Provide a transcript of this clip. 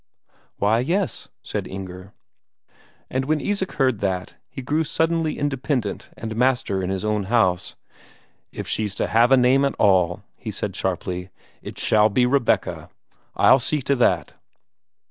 "Why, yes," said Inger. And when Isak heard that, he grew suddenly independent and master in his own house. "If she's to have a name at all," he said sharply, "it shall be Rebecca! I'll see to that."